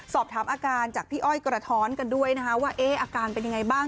สอบถามอาการจากพี่อ้อยกระท้อนกันด้วยนะคะว่าอาการเป็นยังไงบ้าง